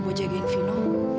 buat jagain vino